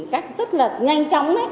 cách rất là nhanh chóng